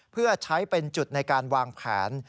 เพื่อใช้เป็นจุดในการวางแผน